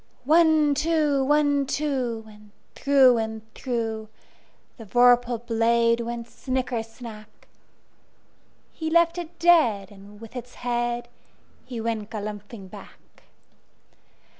One, two! One, two! And through and throughThe vorpal blade went snicker snack! He left it dead, and with its headHe went galumphing back.